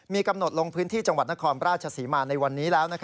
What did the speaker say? มีกำหนดลงพื้นที่จังหวัดนครราชศรีมาในวันนี้แล้ว